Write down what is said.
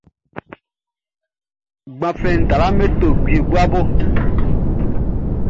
Gbanflɛn nin talua me to jue guabo.